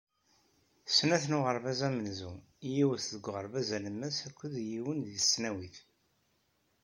Snat n uɣerbaz amenzu, yiwet deg uɣerbaz alemmas akked yiwen deg tesnawit.